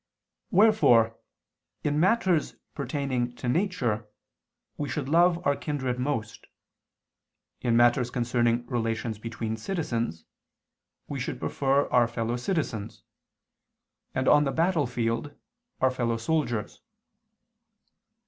Wherefore in matters pertaining to nature we should love our kindred most, in matters concerning relations between citizens, we should prefer our fellow citizens, and on the battlefield our fellow soldiers.